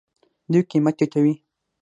دوی قیمت ټیټوي.